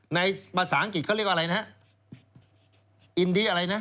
ภาษาอังกฤษเขาเรียกอะไรนะฮะอินดีอะไรนะ